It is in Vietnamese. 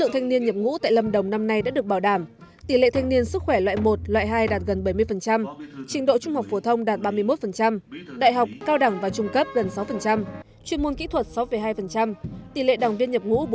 tỉnh lâm đồng năm nay đã được bảo đảm tỉ lệ thanh niên sức khỏe loại một loại hai đạt gần bảy mươi trình độ trung học phổ thông đạt ba mươi một đại học cao đẳng và trung cấp gần sáu chuyên môn kỹ thuật sáu hai tỉ lệ đồng viên nhập ngũ bốn